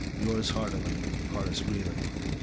"Yours heartily, "HORACE GREELEY.